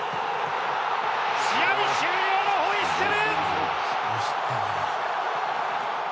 試合終了のホイッスル！